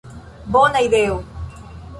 Bona ideo!